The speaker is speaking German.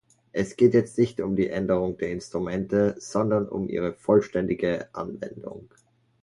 Es geht jetzt nicht um die Änderung der Instrumente, sondern um ihre vollständige Anwendung.